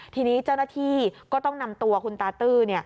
ทีนี้เจ้าหน้าที่ก็ต้องนำตัวคุณตาตื้อ